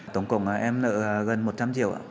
tổng cộng em nợ gần một trăm linh triệu